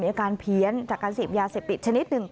อาการเพี้ยนจากการเสพยาเสพติดชนิดหนึ่ง